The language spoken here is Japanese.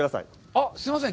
あっ、すいません。